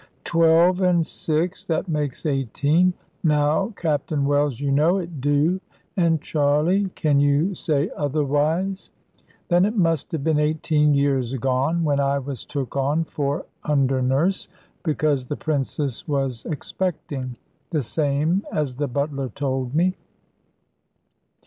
Twelve and six, that makes eighteen; now, Captain Wells, you know it do; and, Charley, can you say otherwise? Then it must have been eighteen years agone, when I was took on for under nurse, because the Princess was expecting, the same as the butler told me.